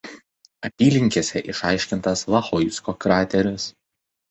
Apylinkėse išaiškintas Lahoisko krateris.